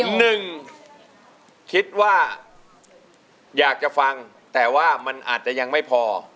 หนึ่งคิดว่าอยากจะฟังแต่ว่ามันอาจจะยังไม่พอ